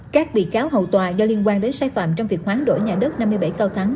các bị cáo hậu tòa do liên quan đến sai phạm trong việc hoán đổi nhà đất năm mươi bảy cao thắng